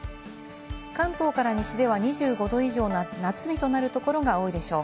関東から西では２５度以上の夏日となるところが多いでしょう。